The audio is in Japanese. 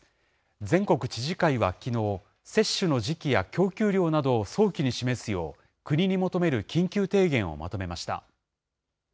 全国知事会はきのう、接種の時期や供給量などを早期に示すよう、国に求める緊急提言をまとめました。